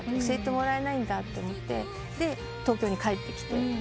教えてもらえないんだと思って東京に帰ってきて。